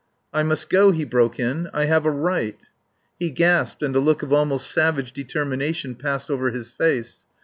"I must go," he broke in. "I have a right!" ... He gasped and a look of almost savage determination passed over his face.